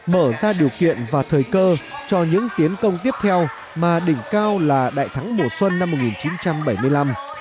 mở ra điều kiện và thời cơ cho những tiến công tiếp theo mà đỉnh cao là đại thắng mùa xuân năm một nghìn chín trăm bảy mươi năm